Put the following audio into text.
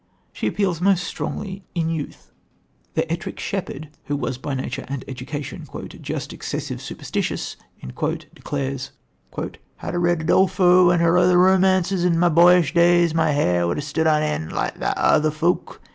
She appeals most strongly in youth. The Ettrick Shepherd, who was by nature and education "just excessive superstitious," declares: "Had I read Udolpho and her other romances in my boyish days my hair would have stood on end like that o' other folk